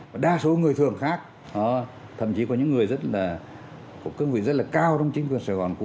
và đa số người thường khác thậm chí có những người rất là cao trong chính quyền sài gòn cũ